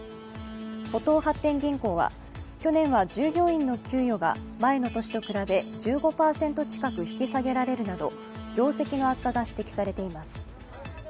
浦東発展銀行は去年は従業員の給与が前の年と比べ１５％近く引き下げられるなど業績の悪化が指摘されています。